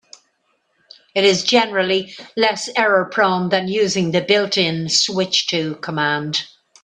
It is generally less error-prone than using the built-in "switch to" command.